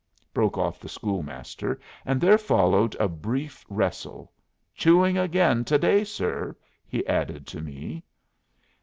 broke off the schoolmaster, and there followed a brief wrestle. "Chewing again to day, sir," he added to me.